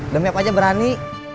demi apa aja berani